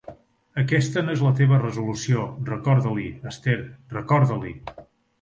Aquesta no és la teva resolució, recorda-li, Esther, recorda-li!